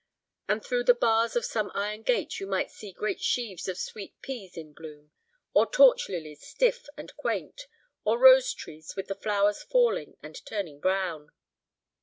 And through the bars of some iron gate you might see great sheaves of sweet peas in bloom, or torch lilies stiff and quaint, or rose trees with the flowers falling and turning brown.